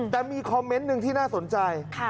แต่มีคอมเมนต์หนึ่งที่น่าสนใจ